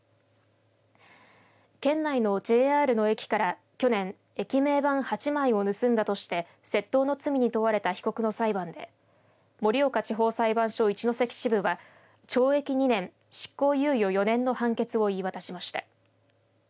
県内のＪＲの駅から去年、駅名板８枚を盗んだとして窃盗の罪に問われた被告の裁判で盛岡地方裁判所一関支部は懲役２年、執行猶予４年の判決を言い渡しました。